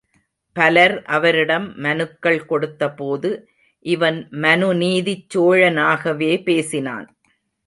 பலர் அவரிடம் மனுக்கள் கொடுத்தபோது, இவன் மனுநீதிச் சோழனாகவே பேசினான்.